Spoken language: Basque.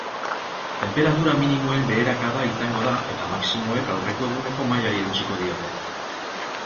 Tenperatura minimoen beherakada izango da eta maximoek aurreko eguneko mailari eutsiko diote.